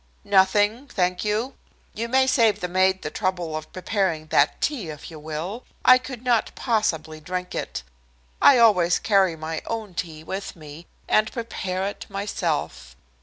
"Nothing, thank you. You may save the maid the trouble of preparing that tea if you will. I could not possibly drink it. I always carry my own tea with me, and prepare it myself.